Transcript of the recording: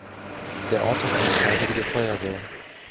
Der Ort hat eine Freiwillige Feuerwehr.